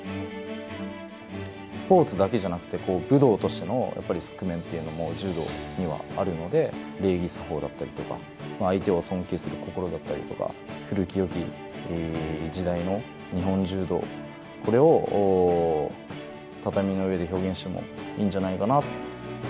スポーツだけじゃなくて、武道としてのやっぱり側面というのは柔道にはあるので、礼儀作法であったりとか、相手を尊敬する心だったりとか、古きよき時代の日本柔道、これを畳の上で表現してもいいんじゃないかなと。